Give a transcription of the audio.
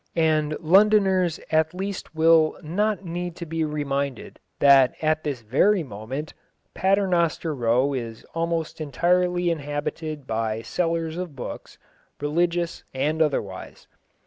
And Londoners at least will not need to be reminded that at this very moment Paternoster Row is almost entirely inhabited by sellers of books, religious and otherwise.